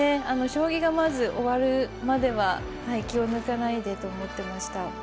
将棋がまず終わるまでは気を抜かないでと思ってました。